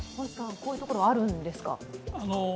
星さん、こういうところはあるんですか？